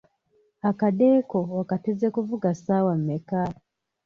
Akade ko okateze kuvuga ssaawa mmeka?